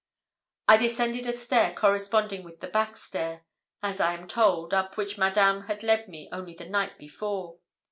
I descended a stair corresponding with that backstair, as I am told, up which Madame had led me only the night before.